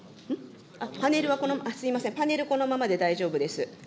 パネルは、すみません、パネルこのままで大丈夫です。